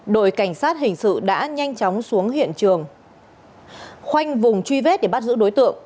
đội cảnh sát hình sự đã nhanh chóng xuống hiện trường khoanh vùng truy vết để bắt giữ đối tượng